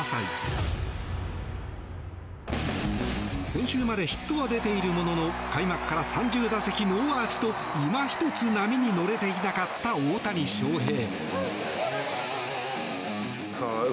先週までヒットは出ているものの開幕から３０打席ノーアーチといま一つ波に乗れていなかった大谷翔平。